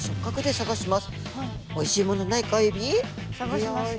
探しますね。